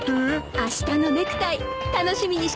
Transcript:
あしたのネクタイ楽しみにしてますね。